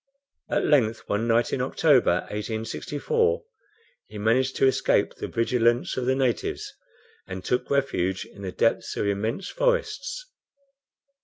At length one night in October, 1864, he managed to escape the vigilance of the natives, and took refuge in the depths of immense forests.